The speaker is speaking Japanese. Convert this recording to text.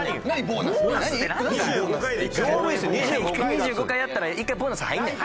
２５回やったら１回ボーナス入んねん。